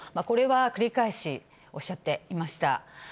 これは繰り返しおっしゃっていました。